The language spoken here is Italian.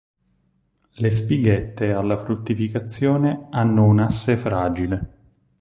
Le spighette alla fruttificazione hanno un asse fragile.